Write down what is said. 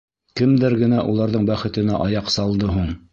Кемдәр генә уларҙың бәхетенә аяҡ салды һуң?